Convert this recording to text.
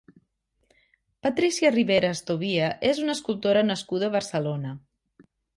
Patricia Riveras Tobia és una escultora nascuda a Barcelona.